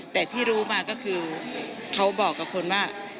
แต่ที่รู้มาก็คือเขาบอกกับคนว่า